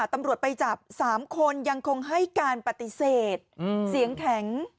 ตำรวจไปจับ๓คนยังคงให้การปฏิเสธเสียงแข็ง